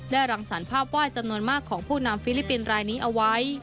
ได้รังสารภาพวาดจำนวนมากของผู้นำฟิลิปินรายนี้เอาไว้